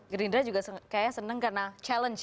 gerinda juga kayaknya senang karena challenge ya